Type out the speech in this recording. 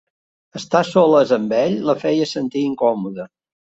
Estar a soles amb ell la feia sentir incòmoda.